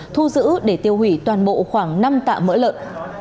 thu giữ để tiêu hủy toàn bộ khoảng năm tạ mỡ lợn